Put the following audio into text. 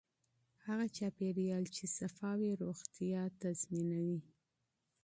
هغه چاپیریال چې پاک وي روغتیا تضمینوي.